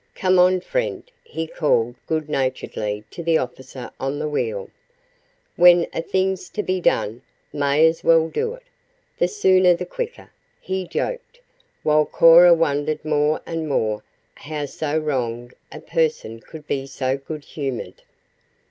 "Come on, friend," he called good naturedly to the officer on the wheel. "When a thing's to be done, may as well do it. The sooner the quicker," he joked, while Cora wondered more and more how so wronged a person could be so good humored.